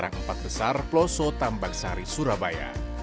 di jalan karang empat besar peloso tambang sari surabaya